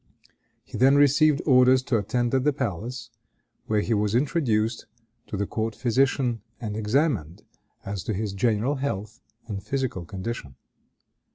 He then received orders to attend at the palace, where he was introduced to the court physician, and examined as to his general health and physical condition.